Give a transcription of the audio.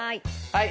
はい。